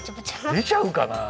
でちゃうかなあ？